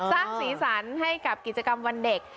สร้างสีสันให้กับกิจกรรมวันเด็ก